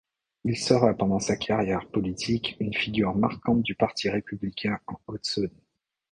Il sera pendant sa carrière politique une figure marquante du parti républicain en Haute-Saône.